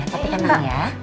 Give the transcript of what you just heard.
tapi tenang ya